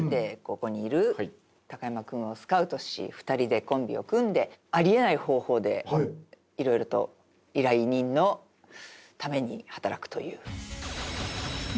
ここにいる貴山君をスカウトし２人でコンビを組んであり得ない方法で色々と依頼人のために働くという。